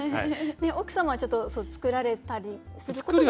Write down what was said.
奥様はちょっと作られたりすることも？